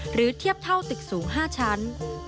เทียบเท่าตึกสูง๕ชั้น